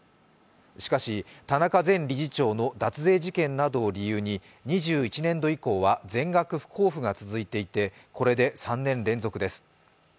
しかし田中前理事長の脱税事件などを理由に２１年度以降は全額不交付が続いていて、これで３年連続です。